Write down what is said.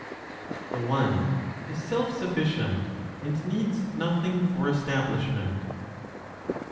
THE ONE IS SELF SUFFICIENT AND NEEDS NOTHING FOR ESTABLISHMENT.